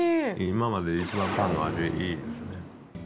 今までで一番パンの味、いいですね。